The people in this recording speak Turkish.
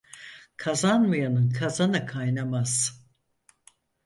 Kazanmayanın kazanı kaynamaz.